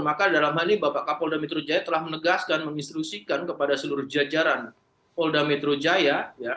maka dalam hal ini bapak kapolda metro jaya telah menegaskan menginstrusikan kepada seluruh jajaran polda metro jaya